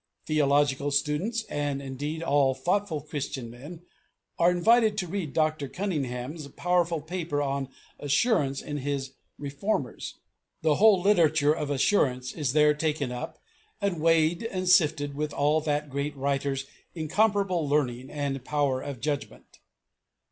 Theological students, and, indeed, all thoughtful Christian men, are invited to read Dr. Cunningham's powerful paper on Assurance in his Reformers. The whole literature of Assurance is there taken up and weighed and sifted with all that great writer's incomparable learning and power and judgment.